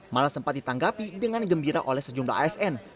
malah sempat ditanggapi dengan gembira oleh sejumlah asn